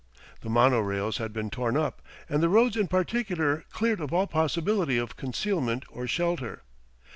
The mono rails had been torn up, and the roads in particular cleared of all possibility of concealment or shelter.